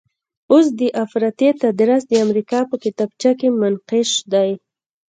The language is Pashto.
اوس د افراطیت ادرس د امریکا په کتابچه کې منقش دی.